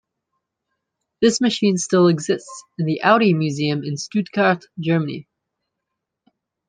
This machine still exists, in the Audi Museum in Stuttgart, Germany.